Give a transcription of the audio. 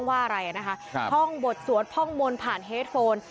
พ่อปู่ฤาษีเทพนรสิงค่ะมีเฮ็ดโฟนเหมือนเฮ็ดโฟน